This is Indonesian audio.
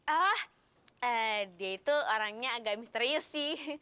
oh dia itu orangnya agak misterius sih